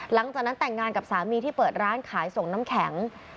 หลังจากนั้นแต่งงานกับสามีที่เปิดร้านขายส่งน้ำแข็ง